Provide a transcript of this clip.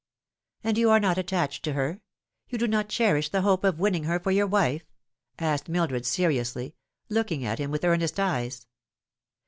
" And you are not attached to her ? you do not cherish the hope of winning her for your wife ?" asked Mildred seriously, looking at hi.n with earnest eyes.